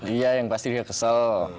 iya yang pasti dia kesal